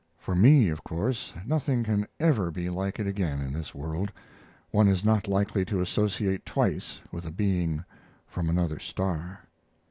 For me, of course, nothing can ever be like it again in this world. One is not likely to associate twice with a being from another star.